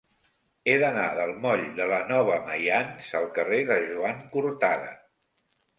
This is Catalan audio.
He d'anar del moll de la Nova Maians al carrer de Joan Cortada.